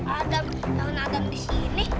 adam adam di sini